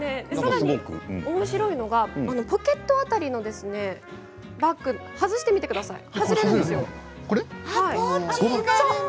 おもしろいのはポケット辺りのバッグ外してみてください。